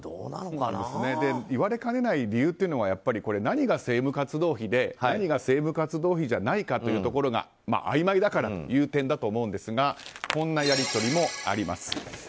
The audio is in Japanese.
言われかねない理由は何が政務活動費で何が政務活動費じゃないかというところがあいまいだからという点だと思うんですがこんなやり取りもあります。